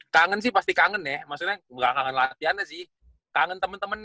kangen sih pasti kangen ya maksudnya gak kangen latihan sih kangen temen temen ya